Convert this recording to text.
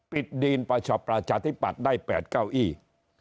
ปิดดีลประชาประชาธิปัตย์ได้๘๙อีก